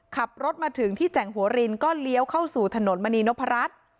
ขับรถมาถึงที่แจ่งหัวรินก็เลี้ยวเข้าสู่ถนนมณีนพรัช